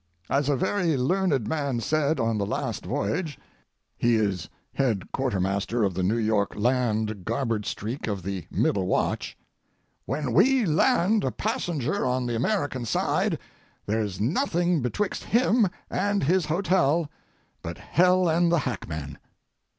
As a very learned man said on the last voyage (he is head quartermaster of the New York land garboard streak of the middle watch), "When we land a passenger on the American side there's nothing betwix him and his hotel but hell and the hackman."